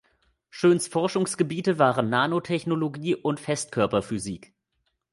Schöns Forschungsgebiete waren Nanotechnologie und Festkörperphysik.